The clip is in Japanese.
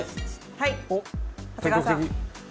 はい長谷川さん。